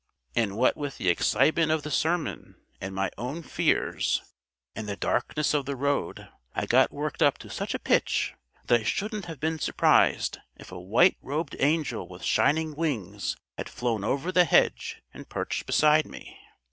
And what with the excitement of the sermon, and my own fears, and the darkness of the road, I got worked up to such a pitch that I shouldn't have been surprised if a white robed angel with shining wings had flown over the hedge and perched beside me."